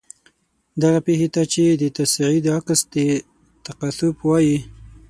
دغې پیښې ته چې د تصعید عکس دی تکاثف وايي.